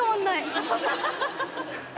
アハハハ。